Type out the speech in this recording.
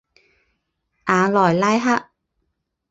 雅莱拉克。